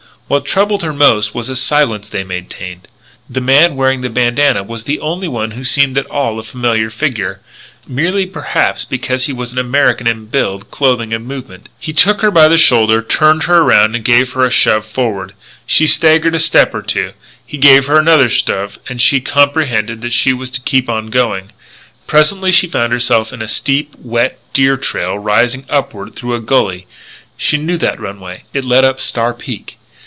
What troubled her most was the silence they maintained. The man wearing the bandanna was the only one who seemed at all a familiar figure, merely, perhaps, because he was American in build, clothing, and movement. He took her by the shoulder, turned her around and gave her a shove forward. She staggered a step or two; he gave her another shove and she comprehended that she was to keep on going. Presently she found herself in a steep, wet deer trail rising upward through a gully. She knew that runway. It led up Star Peak.